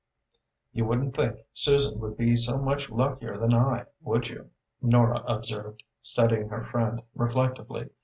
"You wouldn't think Susan would be so much luckier than I, would you?" Nora observed, studying her friend reflectively.